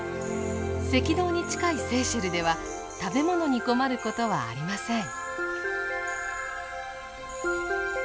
赤道に近いセーシェルでは食べ物に困ることはありません。